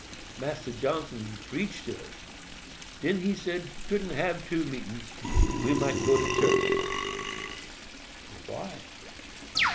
Massa Johnson preach to us. Den he said couldn't hab two meetins—we might go to church." "Why?"